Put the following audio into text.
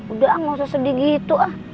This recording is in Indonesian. udah gak usah sedih gitu ah